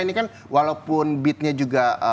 ini kan walaupun bitnya juga